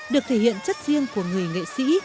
được thể hiện chất riêng của người nghệ sĩ